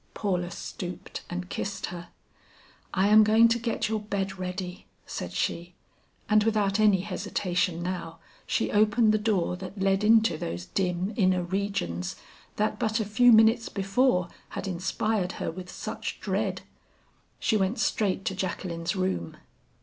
Paula stooped and kissed her. "I am going to get your bed ready," said she. And without any hesitation now, she opened the door that led into those dim inner regions that but a few minutes before had inspired her with such dread. She went straight to Jacqueline's room.